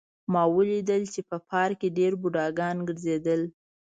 ما ولیدل چې په پارک کې ډېر بوډاګان ګرځېدل